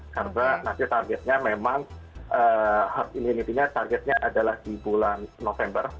karena nanti targetnya memang targetnya adalah di bulan november